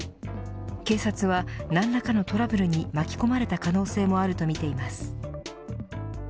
警察は、何らかのトラブルに巻き込まれた可能性もあるとみています。